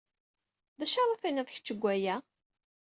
D acu ara tinid kecc deg waya?